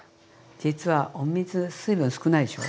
実はお水水分少ないでしょ？